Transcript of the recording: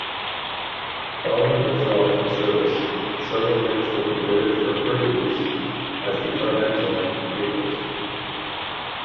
Following withdrawal from service, several units were converted for further use as departmental vehicles.